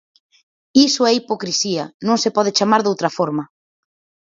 Iso é hipocrisía; non se pode chamar doutra forma.